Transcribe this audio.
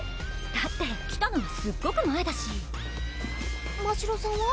だって来たのはすっごく前だしましろさんは？